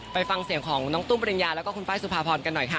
ฟังเสียงของน้องตุ้มปริญญาแล้วก็คุณป้ายสุภาพรกันหน่อยค่ะ